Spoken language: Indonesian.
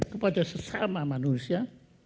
kepada sesama manusia